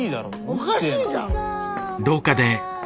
おかしいじゃん！